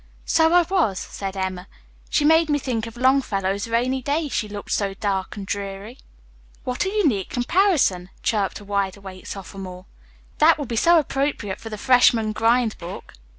"So I was," said Emma. "She made me think of Longfellow's 'Rainy Day.' She looked so 'dark and dreary.'" "What a unique comparison," chirped a wide awake sophomore. "That will be so appropriate for the freshman grind book."